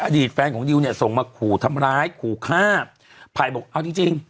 อดีตแฟนของดิวเนี่ยส่งมาขู่ทำร้ายขู่ฆ่าไผ่บอกเอาจริงจริง